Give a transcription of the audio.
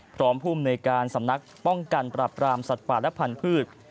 พร้อมพุ่มในการสำนักป้องกันปรับรามสัตว์ป่าและพันธุ์พืช